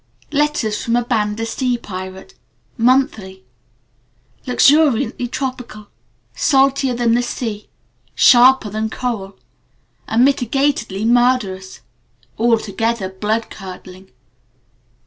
Letters from a Banda Sea Pirate. (Luxuriantly tropical. Monthly. Salter than the Sea. Sharper than Coral. Unmitigatedly murderous. Altogether blood curdling.)